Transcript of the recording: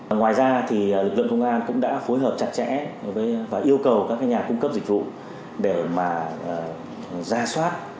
ngoài ra thì lực lượng công an cũng đã phối hợp chặt chẽ và yêu cầu các nhà cung cấp dịch vụ để mà ra soát